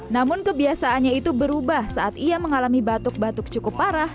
namun kebiasaannya itu berubah saat ia mengalami batuk batuk cukup parah